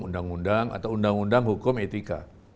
undang undang atau undang undang hukum etika